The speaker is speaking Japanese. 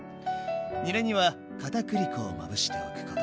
にらには片栗粉をまぶしておくこと。